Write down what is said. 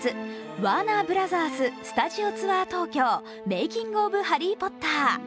ワーナーブラザーズスタジオツアー東京−メイキング・オブ・ハリー・ポッター。